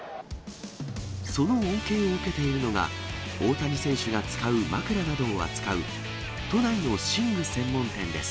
その恩恵を受けているのが、大谷選手が使う枕などを扱う、都内の寝具専門店です。